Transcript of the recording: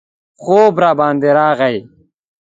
خوب راباندې راغی.